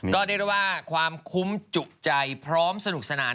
ก็เรียกได้ว่าความคุ้มจุใจพร้อมสนุกสนาน